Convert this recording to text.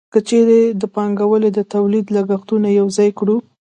که چېرې د پانګوال د تولید لګښتونه یوځای کړو